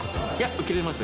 受けれました。